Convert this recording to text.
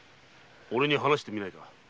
俺に話してみないか。